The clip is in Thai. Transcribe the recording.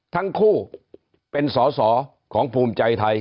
ทั้งคู่เป็นสอสอของภูมิใจไทย